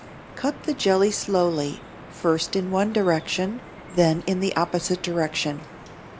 = Cut the jelly slowly, first in one direction, then in the opposite direction.